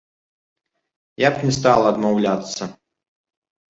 Я б не стала адмаўляцца.